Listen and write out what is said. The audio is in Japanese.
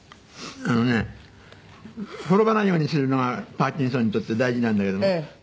あのね転ばないようにするのがパーキンソンにとって大事なんだけども。